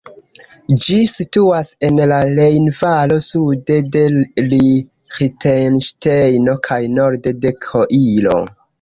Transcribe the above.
Ĝi situas en la Rejnvalo sude de Liĥtenŝtejno kaj norde de Koiro.